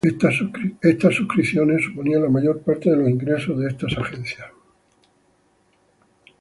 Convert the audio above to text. Estas suscripciones suponían la mayor parte de los ingresos de estas agencias.